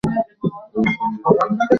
ও এখন ব্যস্ত আছে।